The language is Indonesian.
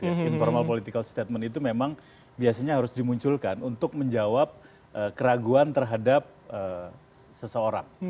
informal political statement itu memang biasanya harus dimunculkan untuk menjawab keraguan terhadap seseorang